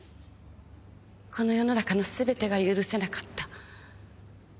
この世の中の全てが許せなかった。